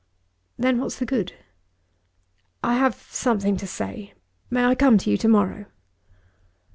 "Then what's the good?" "I have something to say. May I come to you to morrow?"